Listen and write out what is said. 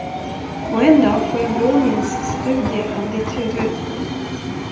Och en dag får jag bror mins studie av ditt huvud.